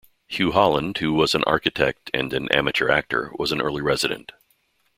Hugh Holland, who was an architect and an amateur actor, was an early resident.